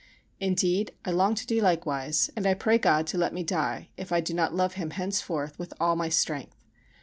Indeed, I long to do likewise and I pray God to let me die if I do not love Him henceforth with all my strength.